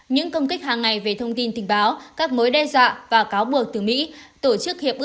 những công kích hàng ngày về thông tin tình báo các mối đe dọa và cáo buộc từ mỹ